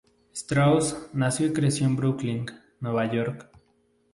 Straus nació y creció en Brooklyn, Nueva York.